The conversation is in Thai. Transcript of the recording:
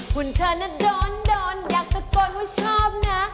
คุณเธอน่ะโดนอยากตะโกนว่าชอบนะ